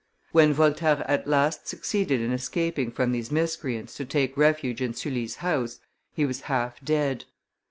When Voltaire at last succeeded in escaping from these miscreants to take refuge in Sully's house, he was half dead.